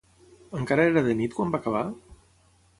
Encara era de nit quan va acabar?